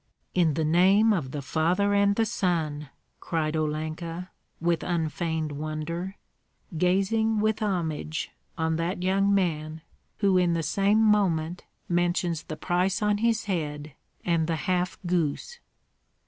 "In the name of the Father and the Son!" cried Olenka, with unfeigned wonder, gazing with homage on that young man who in the same moment mentions the price on his head and the half goose.